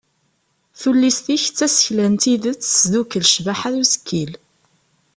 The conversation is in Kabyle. Tullist-ik d tasekla n tidet tesdukel ccbaḥa n usekkil.